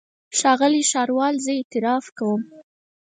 ښاغلی ښاروال زه اعتراف کوم.